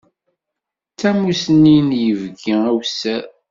D tamusni n yibki awessar.